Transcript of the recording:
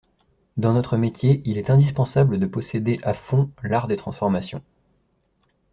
Dans notre métier, il est indispensable de posséder à fond l'art des transformations.